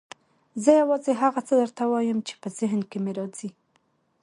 زه یوازې هغه څه درته وایم چې په ذهن کې مې راځي.